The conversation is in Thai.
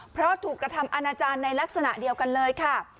เพราะถูกกระทำอาณาจารย์ในลักษณะเดียวกันเลยค่ะ